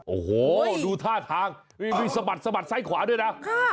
โอ้โหดูท่าทางนี่สะบัดสะบัดซ้ายขวาด้วยนะ